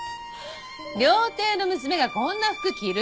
料亭の娘がこんな服着る？